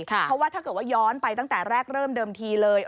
เพราะว่าถ้าเกิดว่าย้อนไปตั้งแต่แรกเริ่มเดิมทีเลย